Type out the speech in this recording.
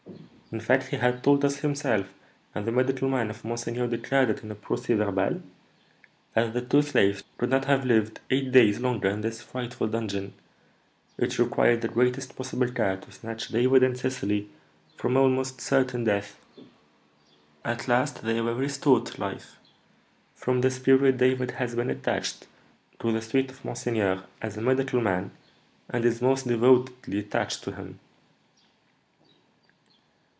In fact, he had told us himself, and the medical man of monseigneur declared it in a procès verbal, that the two slaves could not have lived eight days longer in this frightful dungeon. It required the greatest possible care to snatch David and Cecily from almost certain death. At last they were restored to life. From this period David has been attached to the suite of monseigneur as a medical man, and is most devotedly attached to him."